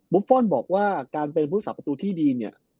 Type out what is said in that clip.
ฟอลบอกว่าการเป็นผู้สาประตูที่ดีเนี่ย